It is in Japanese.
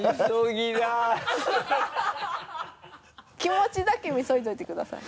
気持ちだけ禊いでおいてください。